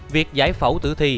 việc giải phẫu tử thi